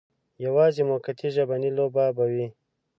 یوازې موقتي ژبنۍ لوبه به وي.